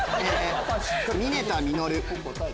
峰田実。